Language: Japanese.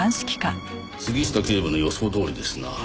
杉下警部の予想どおりですな。